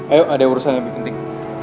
ayo ada urusan yang lebih penting